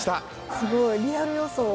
すごいリアル予想。